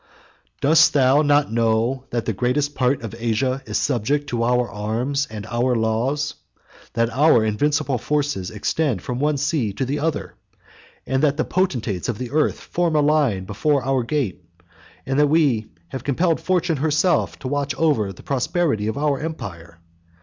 29 "Dost thou not know, that the greatest part of Asia is subject to our arms and our laws? that our invincible forces extend from one sea to the other? that the potentates of the earth form a line before our gate? and that we have compelled Fortune herself to watch over the prosperity of our empire.